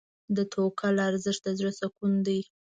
د توکل ارزښت د زړه سکون دی.